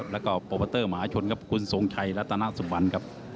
แล้วก็โปรโมเตอร์มหาชนครับคุณทรงชัยรัตนสุวรรณครับ